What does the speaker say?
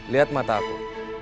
lihat mata aku